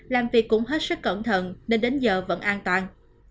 làm việc cũng hết sức cẩn thận nên đến giờ vẫn an toàn